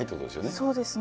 そうですね。